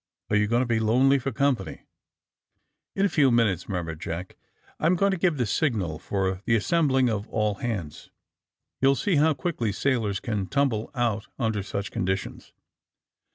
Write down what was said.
Are you going to be lonely for companyl" "In a few minutes," murmured Jack, "I'm going to give the signal for the assembling of all hands. You'll see how quickly sailors can tumble out under such conditions."